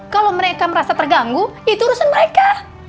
kalau mereka merasa terganggu itu urusan mereka